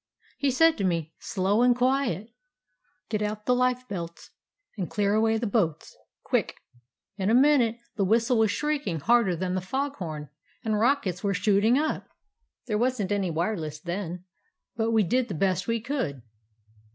He said to me, slow and quiet: " 'Get out the life belts and clear away the boats, quick!' "In a minute the whistle was shrieking harder than the fog horn, and rockets were shooting up; there wasn't any wireless then, but we did the best we could.